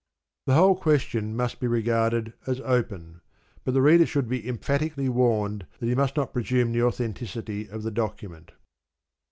The whole ques tion must be regarded as open, but the reader should be emphatically warned that he must not assume the authenticity of the document.